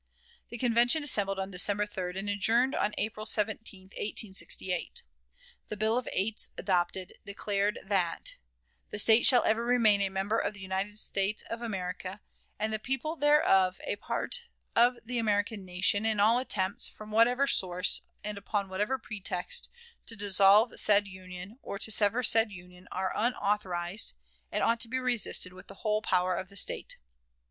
The Convention assembled on December 3d and adjourned on April 17, 1868. The Bill of Eights adopted declared that "The State shall ever remain a member of the United States of America, and the people thereof a part of the American nation, and all attempts, from whatever source, and upon whatever pretext, to dissolve said Union, or to sever said Union, are unauthorized, and ought to be resisted with the whole power of the State.